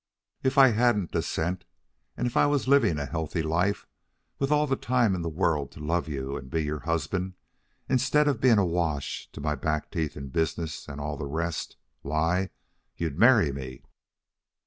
If I hadn't a cent, and if I was living a healthy life with all the time in the world to love you and be your husband instead of being awash to my back teeth in business and all the rest why, you'd marry me.